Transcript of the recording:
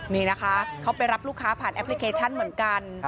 นี่นะคะเขาไปรับลูกค้าผ่านแอปพลิเคชันเหมือนกัน